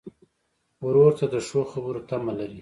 ورور ته د ښو خبرو تمه لرې.